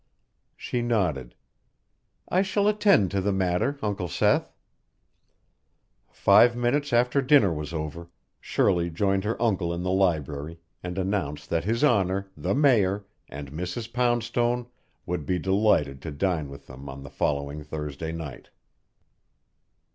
She nodded. "I shall attend to the matter, Uncle Seth." Five minutes after dinner was over, Shirley joined her uncle in the library and announced that His Honor, the Mayor, and Mrs. Poundstone, would be delighted to dine with them on the following Thursday night.